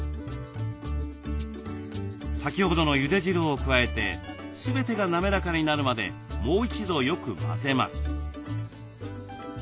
先ほどのゆで汁を加えて全てが滑らかになるまでもう一度よく混ぜます。